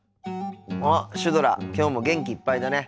あっシュドラきょうも元気いっぱいだね。